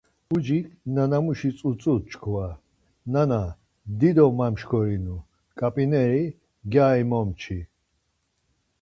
Ucik nana muşis utzu çkva, Nana dido mamşkorinu, ǩap̌ineri gyari momçi.